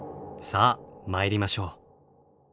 さあ参りましょう。